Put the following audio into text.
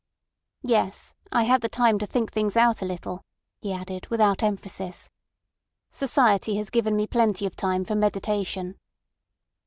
"Yes! I had the time to think things out a little," he added without emphasis. "Society has given me plenty of time for meditation."